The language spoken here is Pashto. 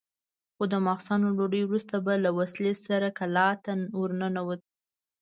خو د ماخستن له ډوډۍ وروسته به له وسلې سره کلا ته ورننوت.